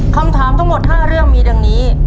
คำถามทั้งหมด๕เรื่องมีดังนี้